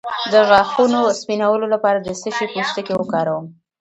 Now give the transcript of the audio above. د غاښونو سپینولو لپاره د څه شي پوستکی وکاروم؟